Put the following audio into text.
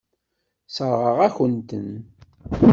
Sseṛɣeɣ-akent-ten.